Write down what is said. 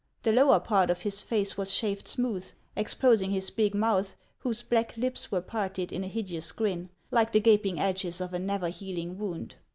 The lower part of his face was shaved smooth, exposing his big mouth, whose black lips were parted in a hideous grin, like the gaping edges of a never healing wound.